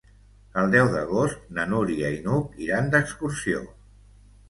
El deu d'agost na Núria i n'Hug iran d'excursió.